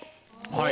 はい。